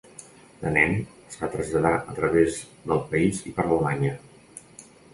De nen, es va traslladar a través del país i per Alemanya.